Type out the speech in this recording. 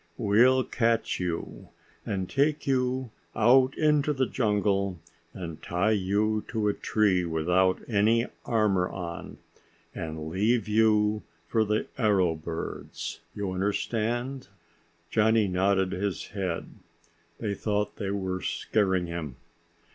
"We'll catch you and take you out into the jungle and tie you to a tree without any armor on, and leave you for the arrow birds. You understand?" Johnny nodded his head. They thought they were scaring him.